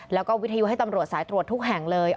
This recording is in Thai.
แล้วก็วิทยุให้ตำรวจสายตรวจทุกแห่งเลย